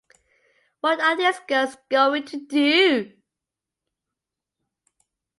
What are these girls going to do?